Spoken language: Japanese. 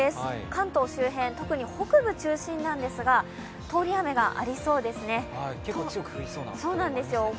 関東周辺、特に北部中心なんですが、通り雨がありそうですね。